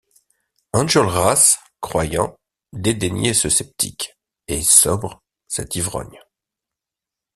Enjolras, croyant, dédaignait ce sceptique, et, sobre, cet ivrogne.